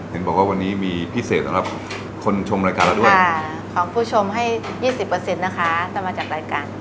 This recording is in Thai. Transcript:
เห็นบอกว่าวันนี้มีพิเศษสำหรับคนชมรายการเราด้วยของผู้ชมให้๒๐นะคะแต่มาจากรายการ